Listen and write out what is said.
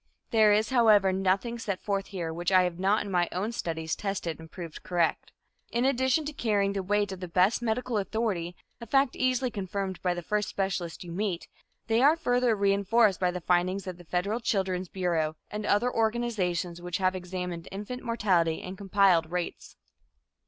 There is, however, nothing set forth here which I have not in my own studies tested and proved correct. In addition to carrying the weight of the best medical authority, a fact easily confirmed by the first specialist you meet, they are further reinforced by the findings of the federal Children's Bureau, and other organizations which have examined infant mortality and compiled rates.